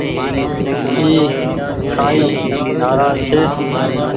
اي ڪآئي نآراز ڇي۔